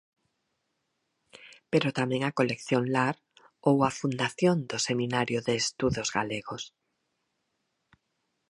Pero tamén a colección Lar ou a fundación do Seminario de Estudos Galegos.